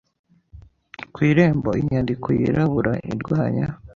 Ku irembo inyandiko yirabura irwanya